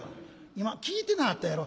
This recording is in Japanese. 今聞いてなはったやろ。